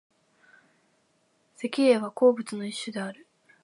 石英は鉱物の一種である。